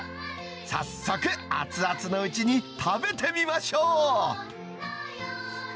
早速、熱々のうちに食べてみましょう。